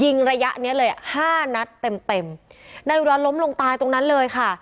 ยิงระยะเนี่ยเลยห้านัดเต็มนายอุดรนล้มลงตายตรงนั้นเลยค่ะ